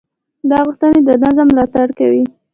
دا غوښتنې د نظم ملاتړ کوي.